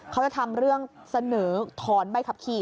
เขาจะทำเรื่องเสนอถอนใบขับขี่